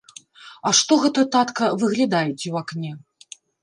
А што гэта, татка, выглядаеце ў акне?